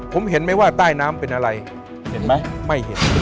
ผมเห็นไหมว่าใต้น้ำเป็นอะไรเห็นไหมไม่เห็น